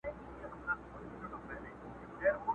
عزراییل دي ستا پر عقل برابر سي؛